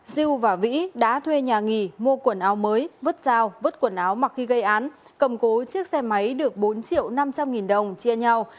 diêu và vĩ đã thuê nhà nghỉ mua quần áo mới vứt dao vứt quần áo mặc khi gây án cầm cố chiếc xe máy được bốn triệu năm trăm linh nghìn đồng chia nhau